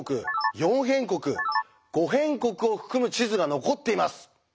「四辺国」「五辺国」を含む地図が残っています。